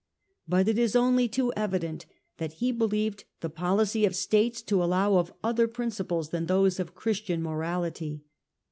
But it is only too evident that he believed the policy of states to allow of other principles than those of Christian morality.